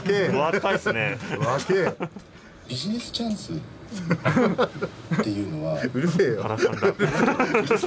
「ビジネスチャンスっていうのは」。